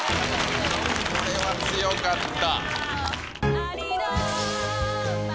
これは強かった。